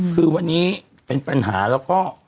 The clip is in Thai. คือวันนี้เป็นปัญหาแล้วก็